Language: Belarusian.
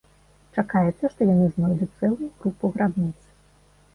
Чакаецца, што яны знойдуць цэлую групу грабніц.